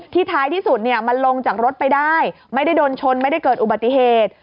ท้ายที่สุดมันลงจากรถไปได้ไม่ได้โดนชนไม่ได้เกิดอุบัติเหตุ